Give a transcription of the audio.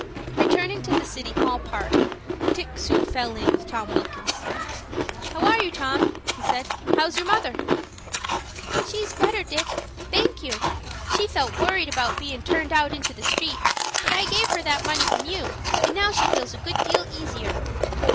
Returning to the City Hall Park, Dick soon fell in with Tom Wilkins. "How are you, Tom?" he said. "How's your mother?" "She's better, Dick, thank you. She felt worried about bein' turned out into the street; but I gave her that money from you, and now she feels a good deal easier."